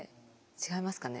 違いますかね。